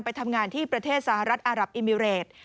ไปทำงานที่ประเทศสหรัฐอารับอิมิเรต